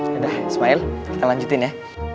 sudah ismail kita lanjutin ya